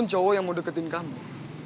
ya aku yang putusin kamu